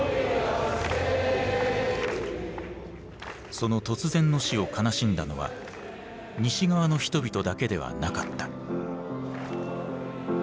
その突然の死を悲しんだのは西側の人々だけではなかった。